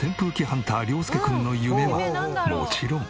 ハンター涼介君の夢はもちろん。